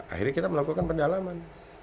akhirnya kita melakukan pendalaman